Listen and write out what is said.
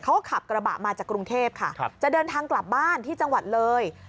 ขับกระบะมาจากกรุงเทพค่ะจะเดินทางกลับบ้านที่จังหวัดเลย